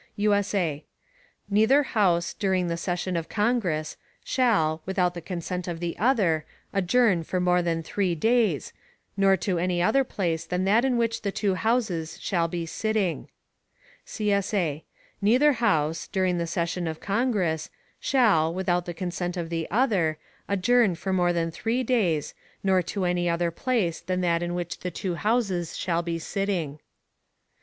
[USA] Neither House, during the Session of Congress, shall, without the Consent of the other, adjourn for more than three days, nor to any other Place than that in which the two Houses shall be sitting. [CSA] Neither House, during the Session of Congress, shall, without the consent of the other, adjourn for more than three days, nor to any other place than that in which the two Houses shall be sitting.